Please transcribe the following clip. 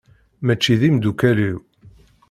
Mačči d imdukal-iw.